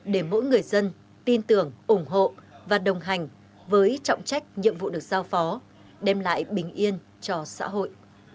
để mỗi người dân tin tưởng ủng hộ và đồng hành với trọng trách nhiệm vụ được giao phó đem lại bình yên cho xã hội